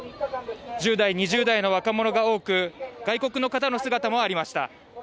１０代、２０代の若者が多く外国の方の姿もありました。